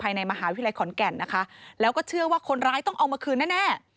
ในมหาวิทยาลัยขอนแก่นนะคะแล้วก็เชื่อว่าคนร้ายต้องเอามาคืนแน่